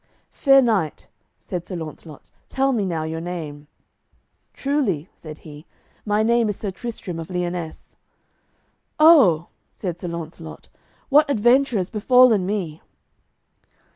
"Fair knight," said Sir Launcelot, "tell me now your name." "Truly," said he, "my name is Sir Tristram of Lyonesse." "Oh," said Sir Launcelot, "what adventure is befallen me!"